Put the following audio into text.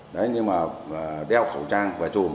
đấy nhưng mà đeo khẩu trang và chùm